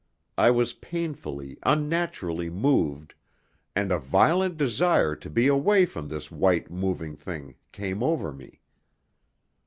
I was painfully, unnaturally moved, and a violent desire to be away from this white moving thing came over me.